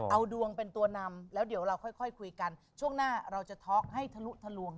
เอาดวงเป็นตัวนำแล้วเดี๋ยวเราค่อยคุยกันช่วงหน้าเราจะท็อกให้ทะลุทะลวง